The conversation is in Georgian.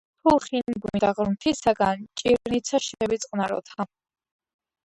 თუ ლხინი გვინდა ღმრთისაგან, ჭირნიცა შევიწყნაროთა.